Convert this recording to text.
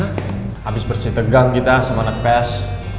habis bersih tegang kita sama anak anak ips